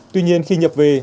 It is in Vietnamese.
tuy nhiên khi nhập về